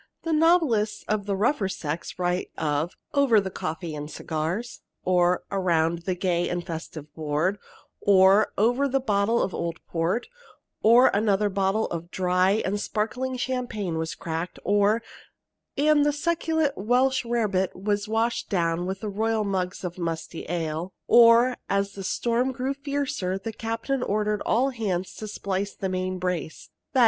The novelists of the rougher sex write of "over the coffee and cigars"; or, "around the gay and festive board"; or, "over a bottle of old port"; or, "another bottle of dry and sparkling champagne was cracked"; or, "and the succulent welsh rarebits were washed down with royal mugs of musty ale"; or, "as the storm grew fiercer, the captain ordered all hands to splice the main brace," _i. e.